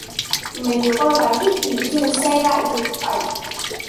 Mấy đứa con gái thích thú dừng xe lại rồi chụp ảnh